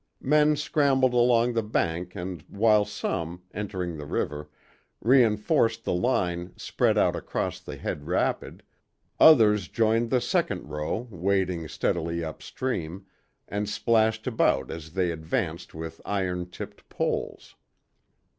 Men scrambled along the bank and while some, entering the river, reinforced the line spread out across the head rapid, others joined the second row, wading steadily up stream, and splashed about as they advanced with iron tipped poles.